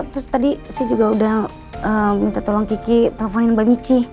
terus tadi saya juga udah minta tolong kiki telponin mbak michi